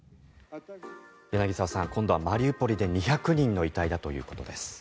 柳澤さん今度はマリウポリで２００人の遺体だということです。